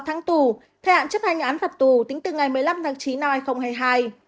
tháng tù theo hạn chấp hành án phạm tù tính từ ngày một mươi năm tháng chín năm hai nghìn hai mươi hai